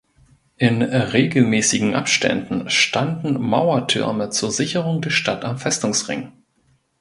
In regelmäßigen Abständen standen Mauertürme zur Sicherung der Stadt am Festungsring.